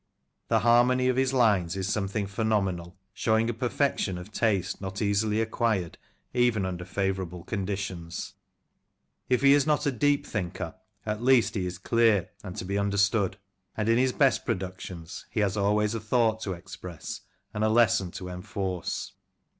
The harmony of his lines is something phenomenal, showing a perfection of taste not easily acquired even under favourable conditions. 4 Lancashire Characters and Places. If he is not a deep thinker, at least he is clear and to be understood; and in his best productions he has always a thought to express and a lesson to enforce.